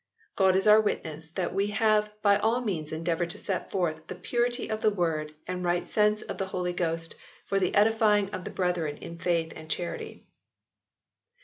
God is our witness that we have by all means endeavoured to set forth the purity of the Word and right sense of the Holy Ghost, for the edifying of the brethren in faith and charity."